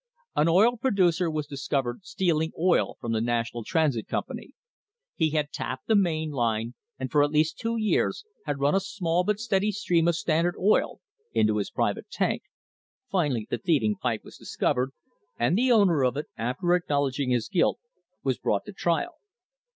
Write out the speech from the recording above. An oil producer was discovered stealing oil from the National Transit Company. He had tapped the main line and for at least two years had run a small but steady stream of Standard oil into his private tank. Finally the thieving CONCLUSION pipe was discovered, and the owner of it, after acknowledging his guilt, was brought to trial.